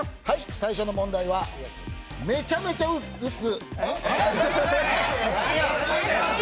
最初の問題はめちゃめちゃ打つ